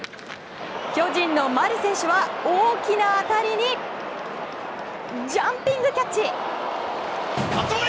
巨人の丸選手は大きな当たりにジャンピングキャッチ！